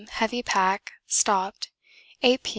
heavy pack, stopped; 8 P.